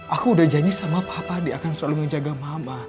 aku udah janji sama papa dia akan selalu menjaga mama